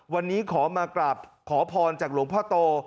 วันนี้ขอมากราบขอพรจากหลวงพ่อโต